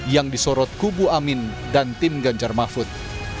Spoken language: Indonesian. yang disorot kubu amin dan tim ganjar mahfud